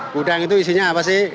gudang itu isinya apa sih